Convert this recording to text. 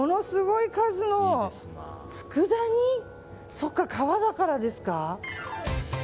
そっか、川だからですか。